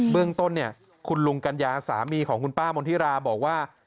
เรื่องต้นเนี่ยคุณลุงกัญญาสามีของคุณป้ามนธิราบอกว่า